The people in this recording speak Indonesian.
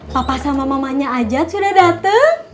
pakah sama mamanya ajat sudah dateng